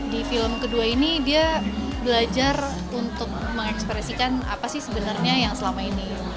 di film kedua ini dia belajar untuk mengekspresikan apa sih sebenarnya yang selama ini